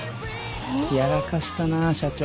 やらかしたなぁ社長。